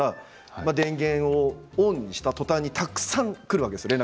電源をオンにしたとたんに連絡がたくさんくるんです。